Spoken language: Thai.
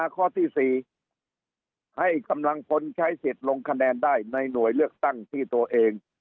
ข้อที่๔ให้กำลังพลใช้สิทธิ์ลงคะแนนได้ในหน่วยเลือกตั้งที่ตัวเอง